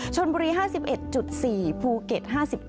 ชนบุรี๕๑๔ภูเก็ต๕๙